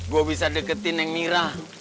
gue bisa deketin neng mirak